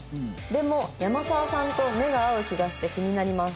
「でも山澤さんと目が合う気がして気になります」。